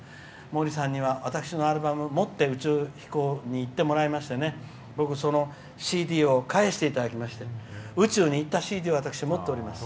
毛利さんには私のアルバムを持って宇宙に行ってもらいましてねＣＤを返してもらいまして宇宙に行ったＣＤを私持っております。